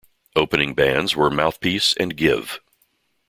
Opening bands were Mouthpiece and Give.